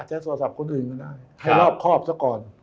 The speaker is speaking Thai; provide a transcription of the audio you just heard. โทรศัพท์คนอื่นก็ได้ให้รอบครอบซะก่อน